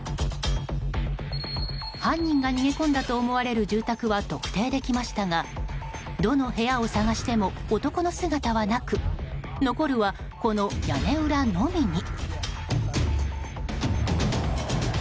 犯人が逃げ込んだと思われる住宅は特定できましたがどの部屋を探しても男の姿はなく残るは、この屋根裏のみに。